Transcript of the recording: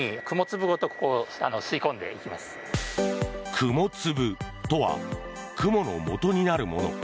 雲粒とは雲のもとになるもの。